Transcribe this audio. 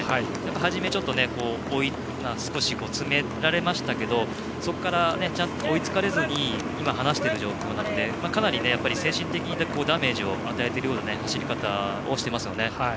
初め、少し詰められましたけどそこからちゃんと追いつかれずに今、離している状況なのでかなり精神的にダメージを与えているような走り方をしていますよね。